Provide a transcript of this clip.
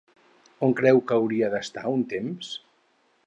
On creu que hauria d'estar-se un temps?